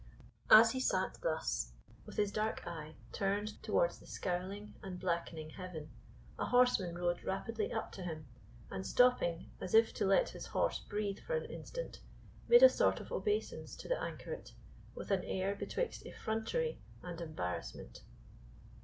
As he sate thus, with his dark eye turned towards the scowling and blackening heaven, a horseman rode rapidly up to him, and stopping, as if to let his horse breathe for an instant, made a sort of obeisance to the anchoret, with an air betwixt effrontery and embarrassment.